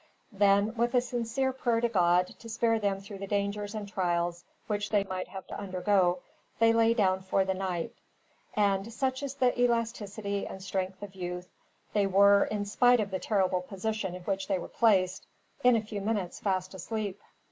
Then, with a sincere prayer to God, to spare them through the dangers and trials which they might have to undergo, they lay down for the night; and, such is the elasticity and strength of youth, they were, in spite of the terrible position in which they were placed, in a few minutes fast asleep.